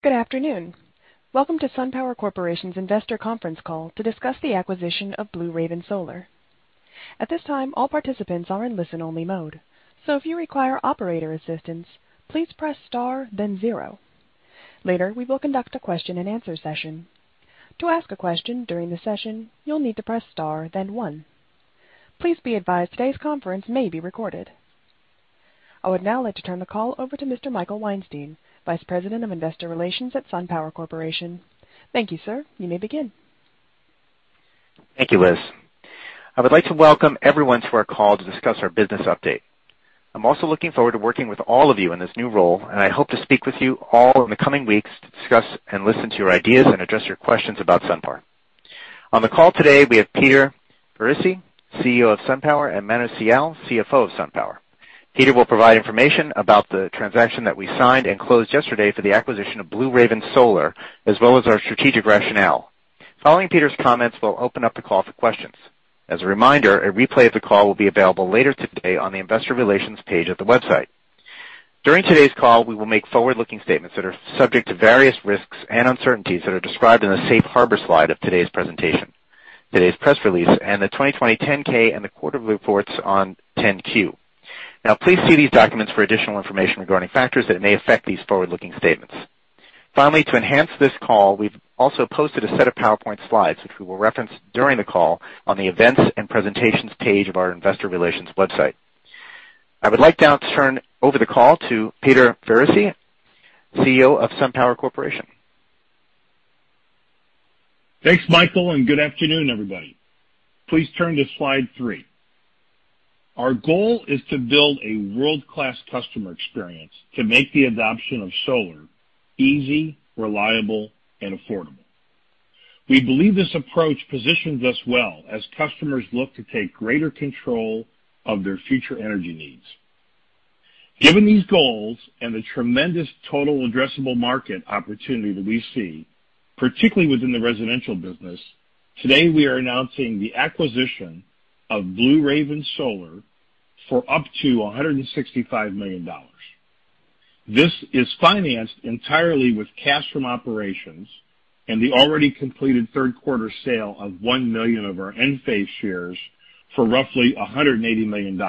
Good afternoon. Welcome to SunPower Corporation's Investor Conference Call to discuss the acquisition of Blue Raven Solar. At this time, all participants are in listen-only mode. If you require operator assistance, please press star then zero. Later, we will conduct a question and answer session. To ask a question during the session, you'll need to press star then one. Please be advised today's conference may be recorded. I would now like to turn the call over to Mr. Michael Weinstein, Vice President of Investor Relations at SunPower Corporation. Thank you, sir. You may begin. Thank you, Liz. I would like to welcome everyone to our call to discuss our business update. I'm also looking forward to working with all of you in this new role, and I hope to speak with you all in the coming weeks to discuss and listen to your ideas and address your questions about SunPower. On the call today, we have Peter Faricy, CEO of SunPower, and Manu Sial, CFO of SunPower. Peter will provide information about the transaction that we signed and closed yesterday for the acquisition of Blue Raven Solar, as well as our strategic rationale. Following Peter's comments, we'll open up the call for questions. As a reminder, a replay of the call will be available later today on the investor relations page of the website. During today's call, we will make forward-looking statements that are subject to various risks and uncertainties that are described in the safe harbor slide of today's presentation, today's press release, and the 2020 10-K and the quarterly reports on 10-Q. Now, please see these documents for additional information regarding factors that may affect these forward-looking statements. Finally, to enhance this call, we've also posted a set of PowerPoint slides, which we will reference during the call on the events and presentations page of our investor relations website. I would like now to turn over the call to Peter Faricy, CEO of SunPower Corporation. Thanks, Michael, good afternoon, everybody. Please turn to slide three. Our goal is to build a world-class customer experience to make the adoption of solar easy, reliable, and affordable. We believe this approach positions us well as customers look to take greater control of their future energy needs. Given these goals and the tremendous total addressable market opportunity that we see, particularly within the residential business, today we are announcing the acquisition of Blue Raven Solar for up to $165 million. This is financed entirely with cash from operations and the already completed third quarter sale of 1 million of our Enphase shares for roughly $180 million.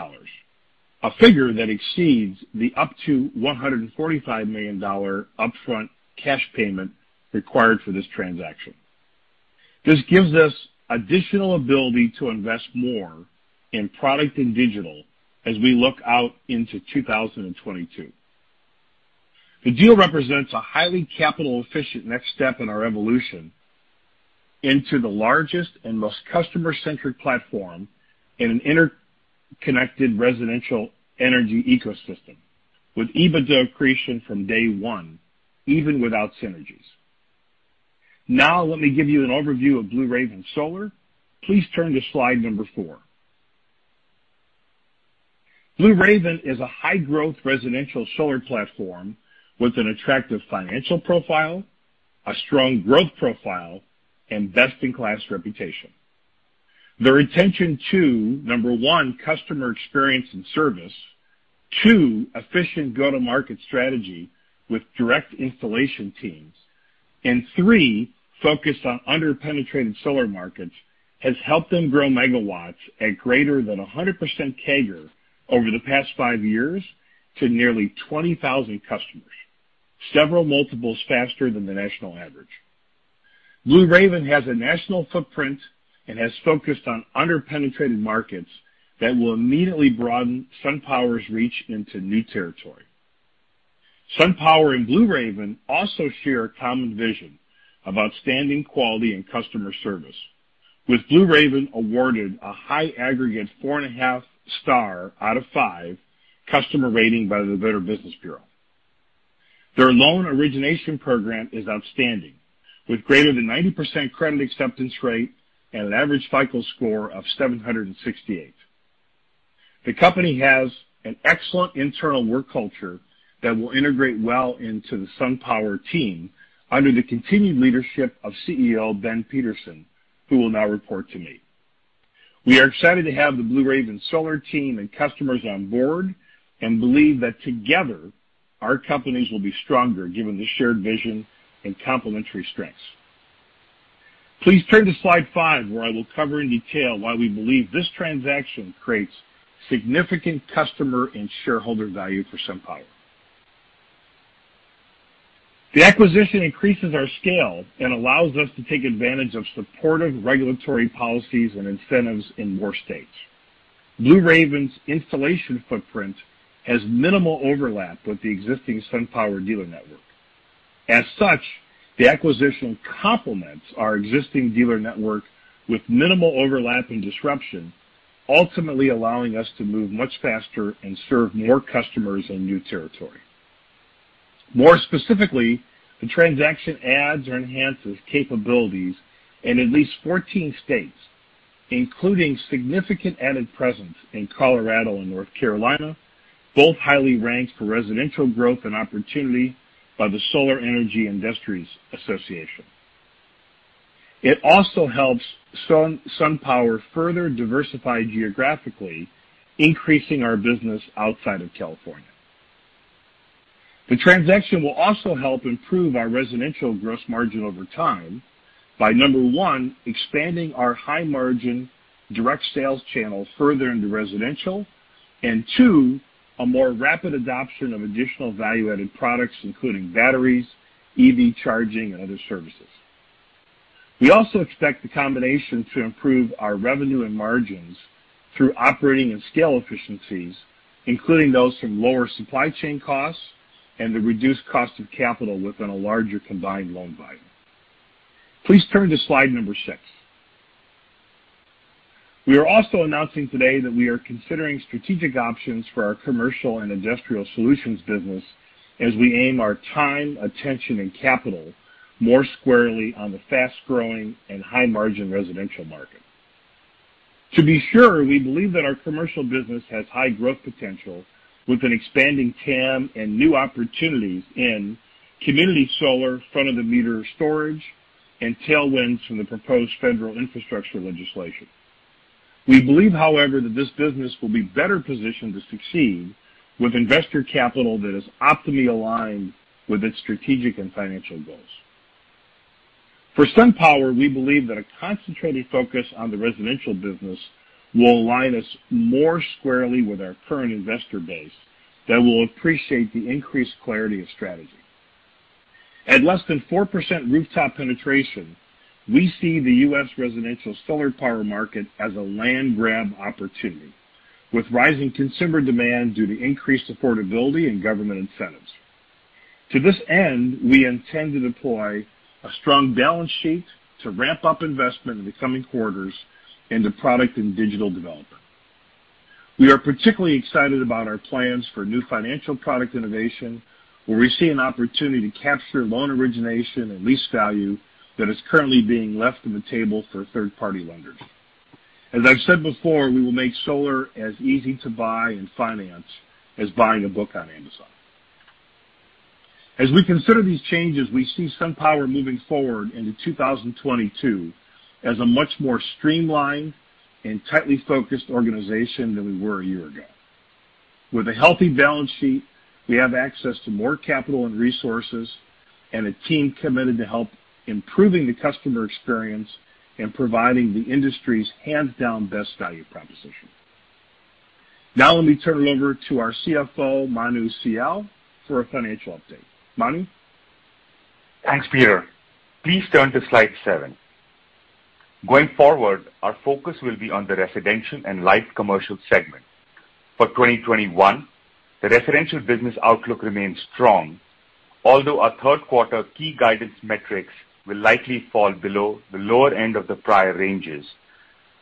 A figure that exceeds the up to $145 million upfront cash payment required for this transaction. This gives us additional ability to invest more in product and digital as we look out into 2022. The deal represents a highly capital-efficient next step in our evolution into the largest and most customer-centric platform in an interconnected residential energy ecosystem, with EBITDA accretion from day one, even without synergies. Now let me give you an overview of Blue Raven Solar. Please turn to slide number four. Blue Raven is a high-growth residential solar platform with an attractive financial profile, a strong growth profile, and best-in-class reputation. Their attention to, number one, customer experience and service, two, efficient go-to-market strategy with direct installation teams, and three, focus on under-penetrated solar markets, has helped them grow megawatts at greater than 100% CAGR over the past five years to nearly 20,000 customers, several multiples faster than the national average. Blue Raven has a national footprint and has focused on under-penetrated markets that will immediately broaden SunPower's reach into new territory. SunPower and Blue Raven also share a common vision of outstanding quality and customer service. With Blue Raven awarded a high aggregate four and half star out of five customer rating by the Better Business Bureau. Their loan origination program is outstanding, with greater than 90% credit acceptance rate and an average FICO score of 768. The company has an excellent internal work culture that will integrate well into the SunPower team under the continued leadership of CEO Ben Peterson, who will now report to me. We are excited to have the Blue Raven Solar team and customers on board and believe that together our companies will be stronger given the shared vision and complementary strengths. Please turn to slide five, where I will cover in detail why we believe this transaction creates significant customer and shareholder value for SunPower. The acquisition increases our scale and allows us to take advantage of supportive regulatory policies and incentives in more states. Blue Raven's installation footprint has minimal overlap with the existing SunPower dealer network. As such, the acquisition complements our existing dealer network with minimal overlap and disruption, ultimately allowing us to move much faster and serve more customers in new territory. More specifically, the transaction adds or enhances capabilities in at least 14 states, including significant added presence in Colorado and North Carolina, both highly ranked for residential growth and opportunity by the Solar Energy Industries Association. It also helps SunPower further diversify geographically, increasing our business outside of California. The transaction will also help improve our residential gross margin over time by, number one, expanding our high margin direct sales channel further into residential. Two, a more rapid adoption of additional value-added products, including batteries, EV charging, and other services. We also expect the combination to improve our revenue and margins through operating and scale efficiencies, including those from lower supply chain costs and the reduced cost of capital within a larger combined loan volume. Please turn to slide number six. We are also announcing today that we are considering strategic options for our Commercial & Industrial Solutions business as we aim our time, attention, and capital more squarely on the fast-growing and high-margin residential market. To be sure, we believe that our commercial business has high growth potential with an expanding TAM and new opportunities in community solar, front-of-the-meter storage, and tailwinds from the proposed federal infrastructure legislation. We believe, however, that this business will be better positioned to succeed with investor capital that is optimally aligned with its strategic and financial goals. For SunPower, we believe that a concentrated focus on the residential business will align us more squarely with our current investor base that will appreciate the increased clarity of strategy. At less than 4% rooftop penetration, we see the U.S. residential solar power market as a land grab opportunity, with rising consumer demand due to increased affordability and government incentives. To this end, we intend to deploy a strong balance sheet to ramp up investment in the coming quarters into product and digital development. We are particularly excited about our plans for new financial product innovation, where we see an opportunity to capture loan origination and lease value that is currently being left on the table for third-party lenders. As I've said before, we will make solar as easy to buy and finance as buying a book on Amazon. As we consider these changes, we see SunPower moving forward into 2022 as a much more streamlined and tightly focused organization than we were a year ago. With a healthy balance sheet, we have access to more capital and resources and a team committed to help improving the customer experience and providing the industry's hands-down best value proposition. Now let me turn it over to our CFO, Manu Sial, for a financial update. Manu? Thanks, Peter. Please turn to slide seven. Going forward, our focus will be on the residential and light commercial segment. For 2021, the residential business outlook remains strong, although our third quarter key guidance metrics will likely fall below the lower end of the prior ranges,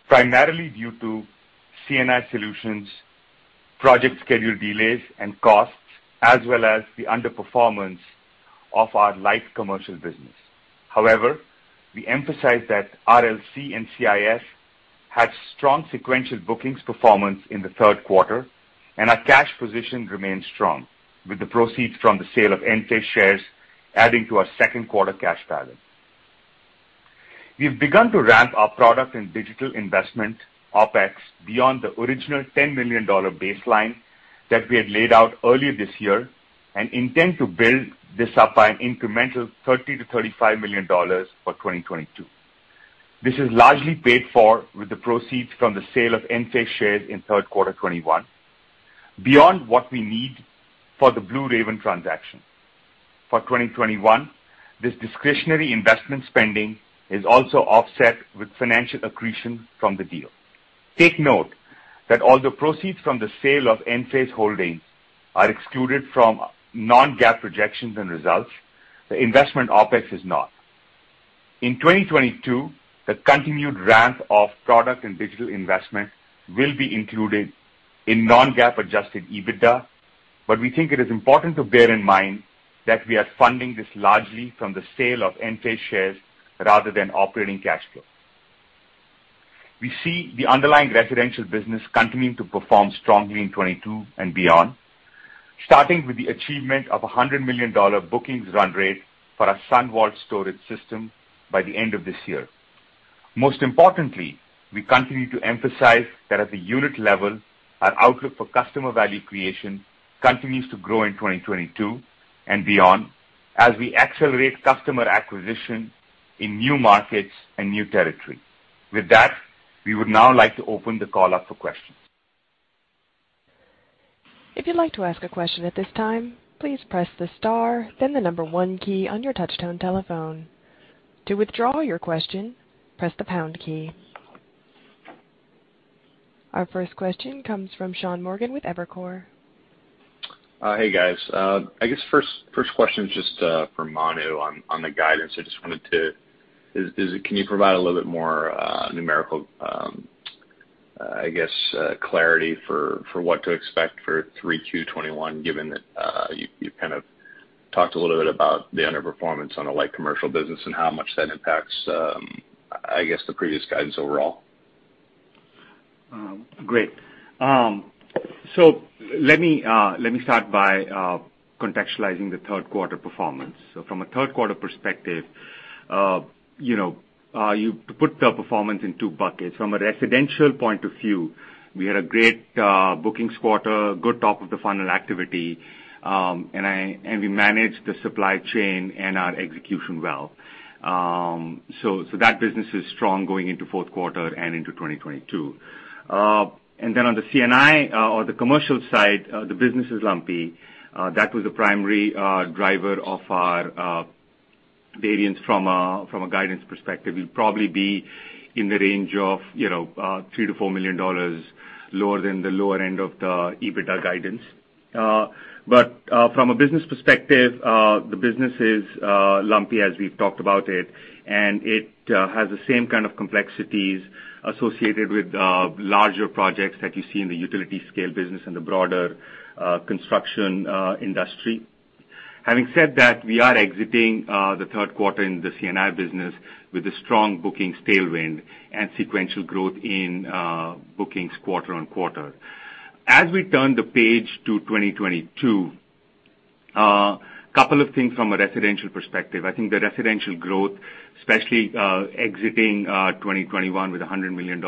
primarily due to C&I Solutions project schedule delays and costs, as well as the underperformance of our light commercial business. We emphasize that RLC and CIS had strong sequential bookings performance in the third quarter, and our cash position remains strong, with the proceeds from the sale of Enphase shares adding to our second quarter cash balance. We've begun to ramp our product and digital investment OpEx beyond the original $10 million baseline that we had laid out earlier this year and intend to build this up by an incremental $30 million-$35 million for 2022. This is largely paid for with the proceeds from the sale of Enphase shares in third quarter 2021. Beyond what we need for the Blue Raven transaction. For 2021, this discretionary investment spending is also offset with financial accretion from the deal. Take note that although proceeds from the sale of Enphase holdings are excluded from non-GAAP projections and results, the investment OpEx is not. In 2022, the continued ramp of product and digital investment will be included in non-GAAP adjusted EBITDA, but we think it is important to bear in mind that we are funding this largely from the sale of Enphase shares rather than operating cash flow. We see the underlying residential business continuing to perform strongly in 2022 and beyond, starting with the achievement of $100 million bookings run rate for our SunVault storage system by the end of this year. Most importantly, we continue to emphasize that at the unit level, our outlook for customer value creation continues to grow in 2022 and beyond as we accelerate customer acquisition in new markets and new territory. With that, we would now like to open the call up for questions. If you'd like to ask a question at this time, please press the star then the number one key on your touchtone telephone. To withdraw your question, press the pound key. Our first question comes from Sean Morgan with Evercore. Hey, guys. I guess first question is just for Manu on the guidance. Can you provide a little bit more numerical clarity for what to expect for 3Q 2021, given that you talked a little bit about the underperformance on a light commercial business and how much that impacts the previous guidance overall? Great. Let me start by contextualizing the third quarter performance. From a third quarter perspective, you put the performance in two buckets. From a residential point of view, we had a great bookings quarter, good top of the funnel activity, and we managed the supply chain and our execution well. That business is strong going into fourth quarter and into 2022. On the C&I or the commercial side, the business is lumpy. That was the primary driver of our variance from a guidance perspective. We'll probably be in the range of $3 million-$4 million lower than the lower end of the EBITDA guidance. From a business perspective, the business is lumpy as we've talked about it, and it has the same kind of complexities associated with larger projects that you see in the utility scale business and the broader construction industry. Having said that, we are exiting the third quarter in the C&I business with a strong bookings tailwind and sequential growth in bookings quarter-on-quarter. As we turn the page to 2022, couple of things from a residential perspective. I think the residential growth, especially exiting 2021 with $100 million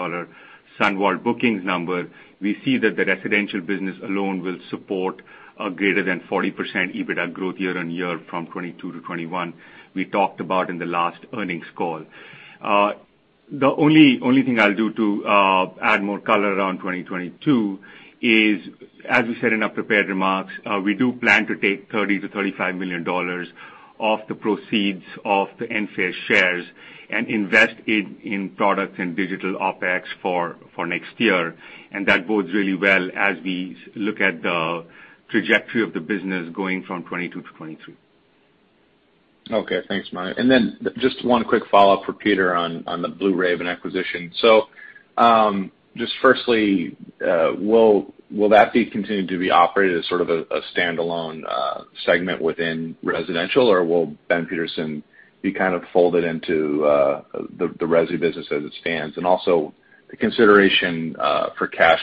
SunVault bookings number, we see that the residential business alone will support a greater than 40% EBITDA growth year-on-year from 2022 to 2021 we talked about in the last earnings call. The only thing I'll do to add more color around 2022 is, as we said in our prepared remarks, we do plan to take $30 million-$35 million of the proceeds of the Enphase shares and invest it in product and digital OpEx for next year. That bodes really well as we look at the trajectory of the business going from 2022 to 2023. Okay. Thanks, Manu. Just one quick follow-up for Peter on the Blue Raven acquisition. Just firstly, will that be continued to be operated as sort of a standalone segment within residential, or will Ben Peterson be kind of folded into the resi business as it stands? The consideration for cash,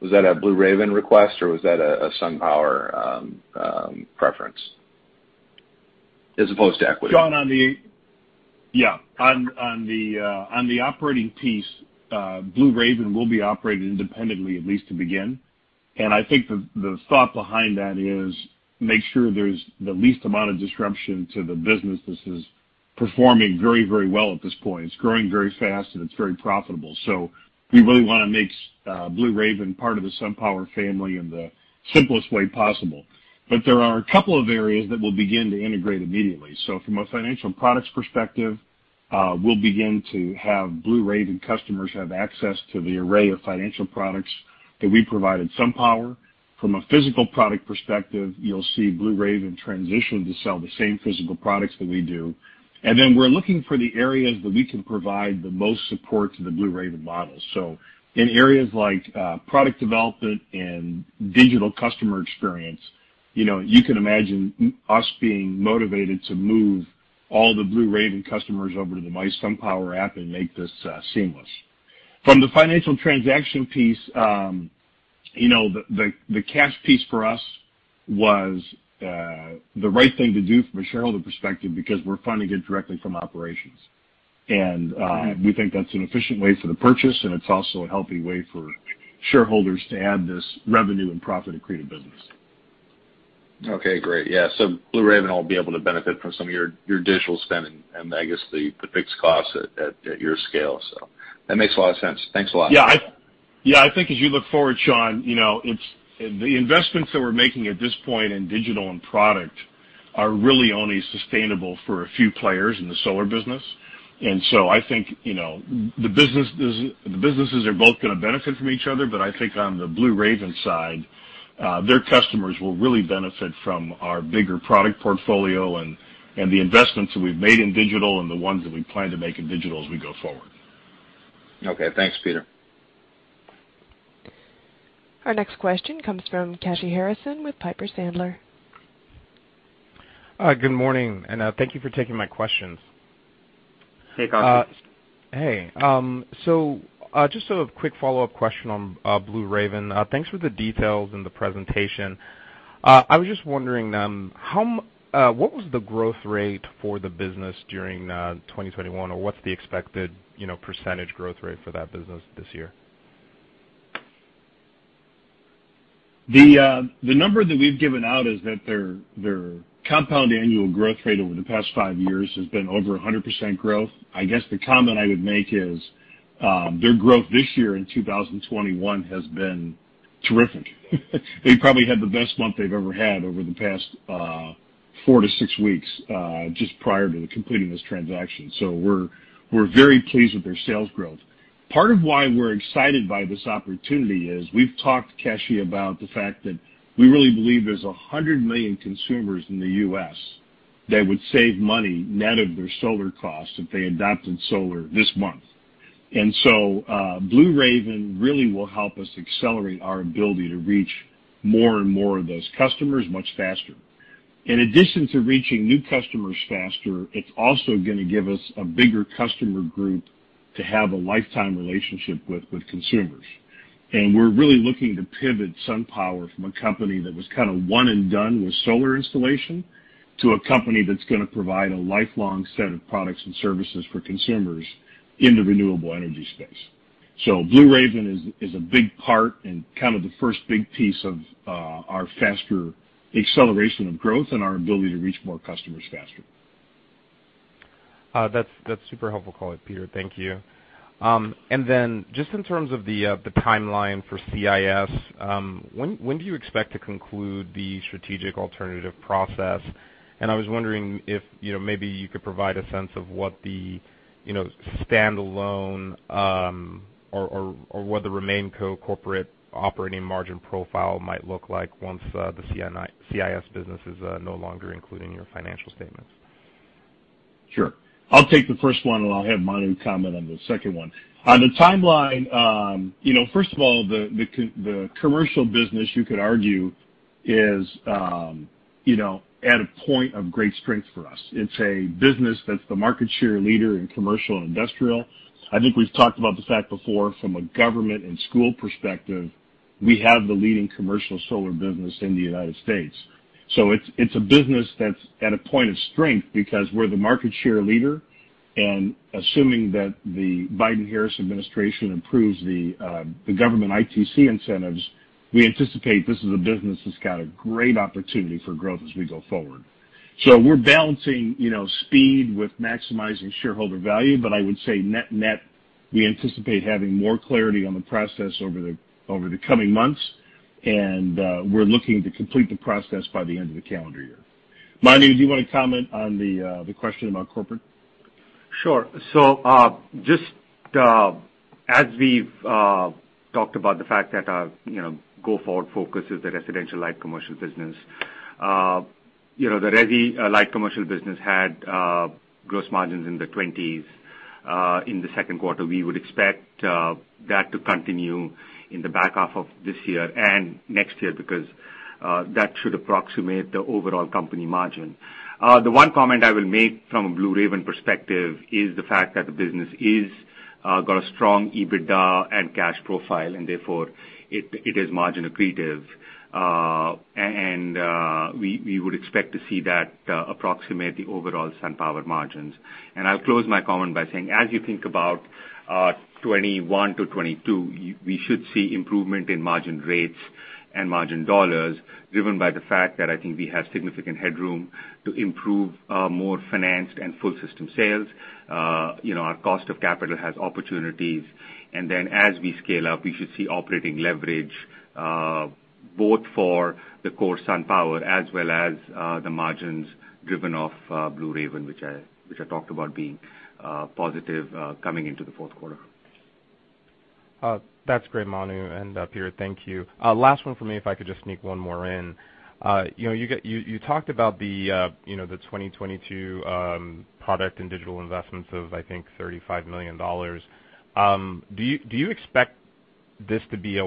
was that a Blue Raven request or was that a SunPower preference as opposed to equity? Sean, on the operating piece, Blue Raven will be operated independently, at least to begin. I think the thought behind that is make sure there's the least amount of disruption to the business. This is performing very well at this point. It's growing very fast, and it's very profitable. We really want to make Blue Raven part of the SunPower family in the simplest way possible. There are a couple of areas that we'll begin to integrate immediately. From a financial products perspective, we'll begin to have Blue Raven customers have access to the array of financial products that we provide at SunPower. From a physical product perspective, you'll see Blue Raven transition to sell the same physical products that we do. We're looking for the areas that we can provide the most support to the Blue Raven model. In areas like product development and digital customer experience, you can imagine us being motivated to move all the Blue Raven customers over to the mySunPower app and make this seamless. From the financial transaction piece, the cash piece for us was the right thing to do from a shareholder perspective because we're funding it directly from operations. We think that's an efficient way for the purchase, and it's also a healthy way for shareholders to add this revenue and profit accretive business. Okay, great. Yeah. Blue Raven will be able to benefit from some of your digital spending and I guess the fixed costs at your scale, so that makes a lot of sense. Thanks a lot. Yeah. I think as you look forward, Sean, the investments that we're making at this point in digital and product are really only sustainable for a few players in the solar business. I think the businesses are both going to benefit from each other, but I think on the Blue Raven side, their customers will really benefit from our bigger product portfolio and the investments that we've made in digital and the ones that we plan to make in digital as we go forward. Okay, thanks, Peter. Our next question comes from Kashy Harrison with Piper Sandler. Good morning, and thank you for taking my questions. Hey, Kashy. Hey. Just a quick follow-up question on Blue Raven. Thanks for the details and the presentation. I was just wondering, what was the growth rate for the business during 2021, or what's the expected percentage growth rate for that business this year? The number that we've given out is that their compound annual growth rate over the past five years has been over 100% growth. I guess the comment I would make is their growth this year in 2021 has been terrific. They probably had the best month they've ever had over the past four to six weeks, just prior to completing this transaction. We're very pleased with their sales growth. Part of why we're excited by this opportunity is we've talked, Kashy, about the fact that we really believe there's 100 million consumers in the U.S. that would save money net of their solar cost if they adopted solar this month. Blue Raven really will help us accelerate our ability to reach more and more of those customers much faster. In addition to reaching new customers faster, it's also going to give us a bigger customer group to have a lifetime relationship with consumers. We're really looking to pivot SunPower from a company that was kind of one and done with solar installation, to a company that's going to provide a lifelong set of products and services for consumers in the renewable energy space. Blue Raven is a big part and kind of the first big piece of our faster acceleration of growth and our ability to reach more customers faster. That's super helpful, Peter. Thank you. Then just in terms of the timeline for C&I, when do you expect to conclude the strategic alternative process? I was wondering if maybe you could provide a sense of what the standalone or what the RemainCo corporate operating margin profile might look like once the C&I business is no longer included in your financial statements. Sure. I'll take the first one, and I'll have Manu comment on the second one. On the timeline, first of all, the commercial business, you could argue, is at a point of great strength for us. It's a business that's the market share leader in commercial and industrial. I think we've talked about the fact before from a government and school perspective, we have the leading commercial solar business in the U.S. It's a business that's at a point of strength because we're the market share leader, and assuming that the Biden-Harris administration improves the government ITC incentives, we anticipate this is a business that's got a great opportunity for growth as we go forward. We're balancing speed with maximizing shareholder value. I would say net net, we anticipate having more clarity on the process over the coming months and we're looking to complete the process by the end of the calendar year. Manu, do you want to comment on the question about corporate? Sure. Just as we've talked about the fact that our go forward focus is the residential light commercial business. The resi light commercial business had gross margins in the 20s in the second quarter. We would expect that to continue in the back half of this year and next year because that should approximate the overall company margin. The one comment I will make from a Blue Raven perspective is the fact that the business is got a strong EBITDA and cash profile, and therefore it is margin accretive. We would expect to see that approximate the overall SunPower margins. I'll close my comment by saying, as you think about 2021 to 2022, we should see improvement in margin rates and margin dollars driven by the fact that I think we have significant headroom to improve our more financed and full system sales. Our cost of capital has opportunities. As we scale up, we should see operating leverage both for the core SunPower as well as the margins driven off Blue Raven, which I talked about being positive coming into the fourth quarter. That's great, Manu and Peter. Thank you. Last one for me, if I could just sneak one more in. You talked about the 2022 product and digital investments of, I think, $35 million. Do you expect this to be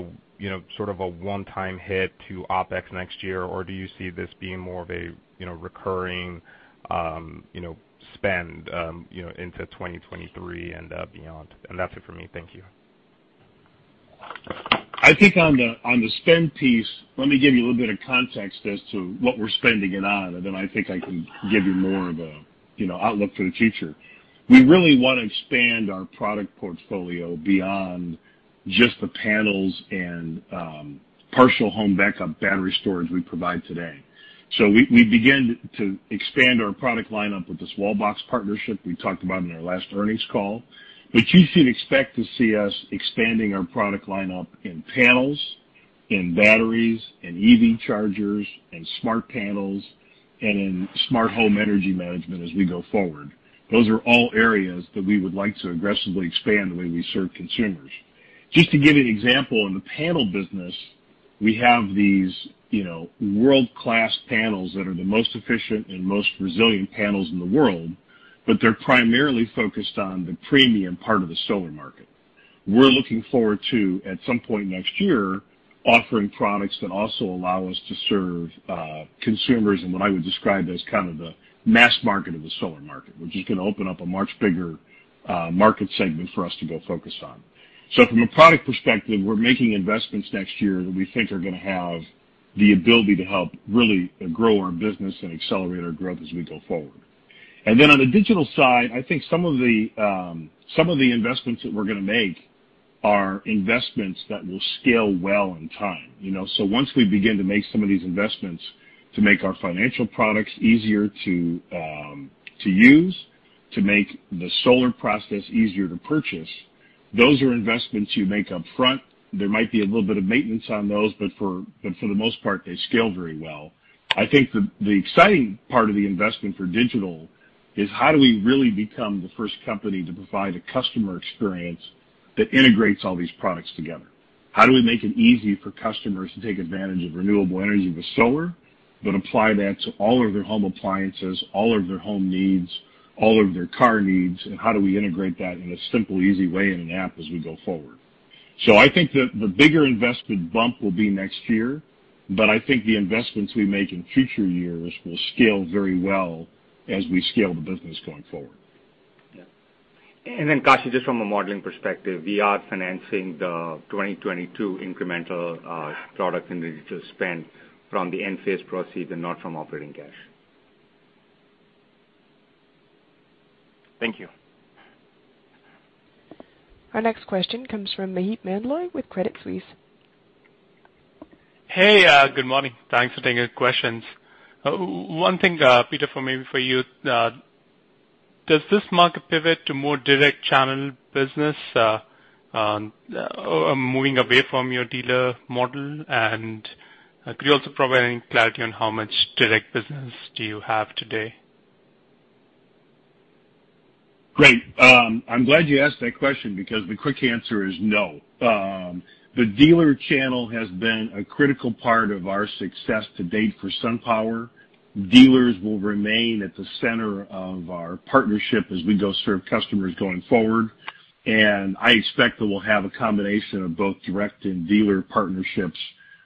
sort of a one-time hit to OpEx next year? Or do you see this being more of a recurring spend into 2023 and beyond? That's it for me. Thank you. I think on the spend piece, let me give you a little bit of context as to what we're spending it on, and then I think I can give you more of an outlook for the future. We really want to expand our product portfolio beyond just the panels and partial home backup battery storage we provide today. We begin to expand our product lineup with this Wallbox partnership we talked about in our last earnings call. You should expect to see us expanding our product lineup in panels, in batteries, in EV chargers, in smart panels, and in smart home energy management as we go forward. Those are all areas that we would like to aggressively expand the way we serve consumers. Just to give you an example, in the panel business, we have these world-class panels that are the most efficient and most resilient panels in the world. They're primarily focused on the premium part of the solar market. We're looking forward to, at some point next year, offering products that also allow us to serve consumers in what I would describe as kind of the mass market of the solar market, which is going to open up a much bigger market segment for us to go focus on. From a product perspective, we're making investments next year that we think are going to have the ability to help really grow our business and accelerate our growth as we go forward. Then on the digital side, I think some of the investments that we're going to make are investments that will scale well in time. Once we begin to make some of these investments to make our financial products easier to use, to make the solar process easier to purchase, those are investments you make up front. There might be a little bit of maintenance on those, but for the most part, they scale very well. I think the exciting part of the investment for digital is how do we really become the first company to provide a customer experience that integrates all these products together? How do we make it easy for customers to take advantage of renewable energy with solar, but apply that to all of their home appliances, all of their home needs, all of their car needs, and how do we integrate that in a simple, easy way in an app as we go forward? I think that the bigger investment bump will be next year, but I think the investments we make in future years will scale very well as we scale the business going forward. Yeah. Kashy, just from a modeling perspective, we are financing the 2022 incremental product and digital spend from the Enphase proceeds and not from operating cash. Thank you. Our next question comes from Maheep Mandloi with Credit Suisse. Hey, good morning. Thanks for taking our questions. One thing, Peter, for maybe for you, does this mark a pivot to more direct channel business, moving away from your dealer model? Could you also provide any clarity on how much direct business do you have today? Great. I'm glad you asked that question because the quick answer is no. The dealer channel has been a critical part of our success to date for SunPower. Dealers will remain at the center of our partnership as we go serve customers going forward, and I expect that we'll have a combination of both direct and dealer partnerships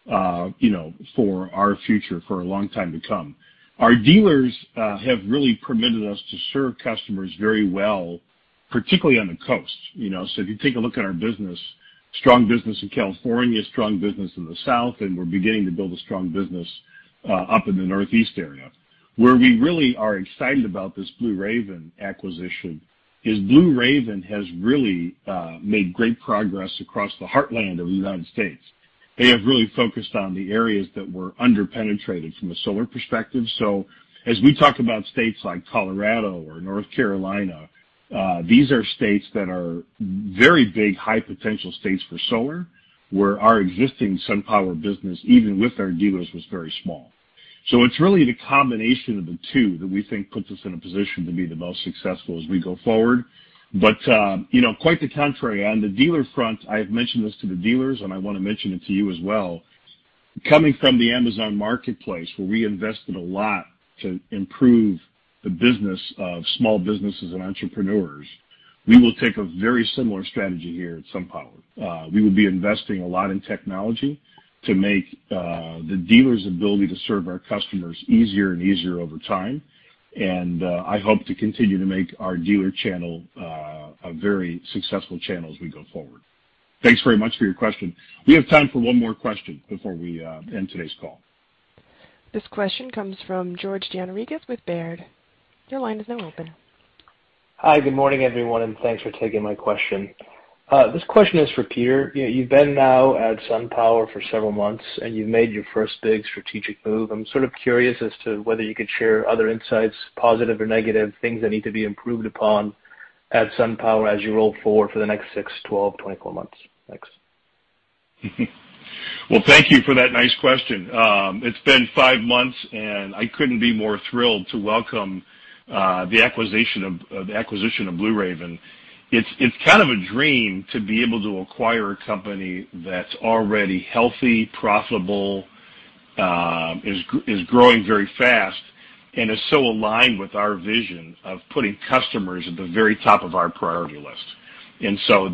for our future for a long time to come. Our dealers have really permitted us to serve customers very well, particularly on the coast. If you take a look at our business, strong business in California, strong business in the South, and we're beginning to build a strong business up in the Northeast area. Where we really are excited about this Blue Raven acquisition is Blue Raven has really made great progress across the heartland of the United States. They have really focused on the areas that were under-penetrated from a solar perspective. As we talk about states like Colorado or North Carolina, these are states that are very big, high potential states for solar, where our existing SunPower business, even with our dealers, was very small. It's really the combination of the two that we think puts us in a position to be the most successful as we go forward. Quite the contrary, on the dealer front, I have mentioned this to the dealers, and I want to mention it to you as well. Coming from the Amazon marketplace, where we invested a lot to improve the business of small businesses and entrepreneurs, we will take a very similar strategy here at SunPower. We will be investing a lot in technology to make the dealers' ability to serve our customers easier and easier over time. I hope to continue to make our dealer channel a very successful channel as we go forward. Thanks very much for your question. We have time for one more question before we end today's call. This question comes from George Gianarikas with Baird. Your line is now open. Hi, good morning, everyone, and thanks for taking my question. This question is for Peter. You've been now at SunPower for several months, and you've made your first big strategic move. I'm sort of curious as to whether you could share other insights, positive or negative, things that need to be improved upon at SunPower as you roll forward for the next six, 12, 24 months. Thanks. Well, thank you for that nice question. It's been five months, and I couldn't be more thrilled to welcome the acquisition of Blue Raven. It's kind of a dream to be able to acquire a company that's already healthy, profitable, is growing very fast, and is so aligned with our vision of putting customers at the very top of our priority list.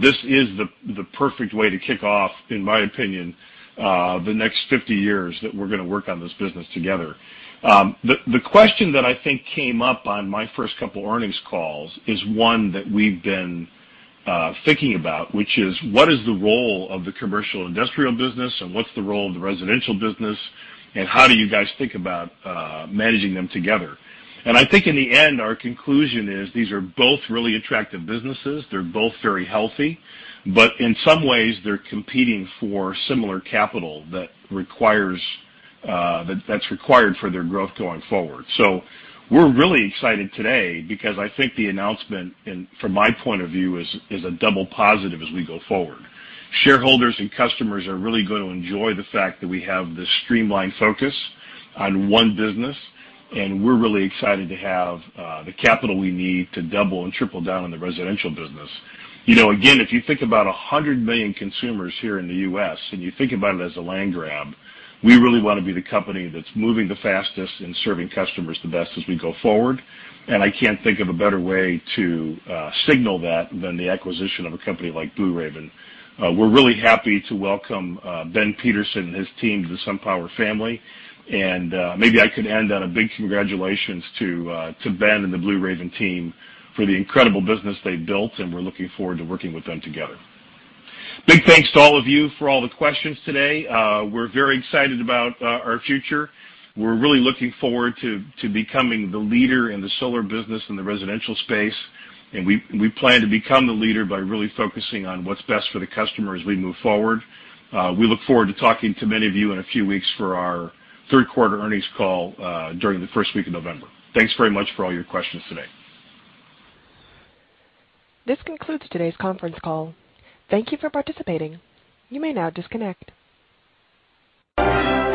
This is the perfect way to kick off, in my opinion, the next 50 years that we're going to work on this business together. The question that I think came up on my first couple earnings calls is one that we've been thinking about, which is: What is the role of the commercial industrial business, and what's the role of the residential business, and how do you guys think about managing them together? I think in the end, our conclusion is these are both really attractive businesses. They're both very healthy, but in some ways they're competing for similar capital that's required for their growth going forward. We're really excited today because I think the announcement, from my point of view, is a double positive as we go forward. Shareholders and customers are really going to enjoy the fact that we have this streamlined focus on one business, and we're really excited to have the capital we need to double and triple down on the residential business. Again, if you think about 100 million consumers here in the U.S., and you think about it as a land grab, we really want to be the company that's moving the fastest and serving customers the best as we go forward. I can't think of a better way to signal that than the acquisition of a company like Blue Raven. We're really happy to welcome Ben Peterson and his team to the SunPower family. Maybe I could end on a big congratulations to Ben and the Blue Raven team for the incredible business they've built, and we're looking forward to working with them together. Big thanks to all of you for all the questions today. We're very excited about our future. We're really looking forward to becoming the leader in the solar business in the residential space, and we plan to become the leader by really focusing on what's best for the customer as we move forward. We look forward to talking to many of you in a few weeks for our third quarter earnings call during the first week of November. Thanks very much for all your questions today. This concludes today's conference call. Thank you for participating. You may now disconnect.